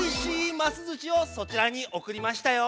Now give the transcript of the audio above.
ますずしをそちらにおくりましたよ。